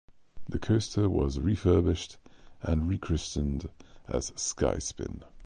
The coaster was refurbished and rechristened as Sky Spin.